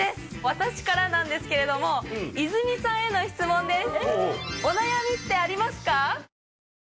私からなんですけれども泉さんへの質問です。